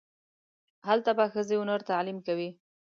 هلته به ښځې و نر تعلیم کوي.